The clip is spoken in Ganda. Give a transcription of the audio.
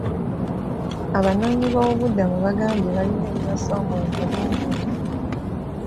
Abanoonyiboobubudamu baagambye baalina ebibasoomooza bingi nnyo.